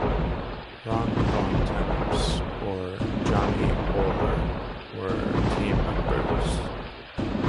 Ron Bontemps and Johnny Orr were team members.